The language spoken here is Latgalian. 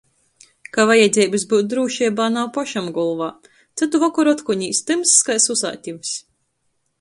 Ka vajadzeibys byut drūšeibā nav pošam golvā, cytu vokoru otkon īs tymss kai susātivs.